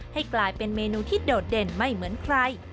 ให้กลายเป็นเมนูที่โดดเด่นไม่เหมือนใคร